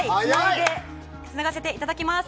つながせていただきます。